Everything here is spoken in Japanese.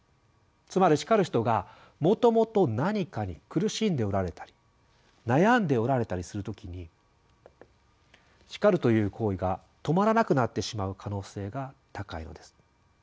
つまり叱る人がもともと何かに苦しんでおられたり悩んでおられたりする時に「叱る」という行為がとまらなくなってしまう可能性が高いのです。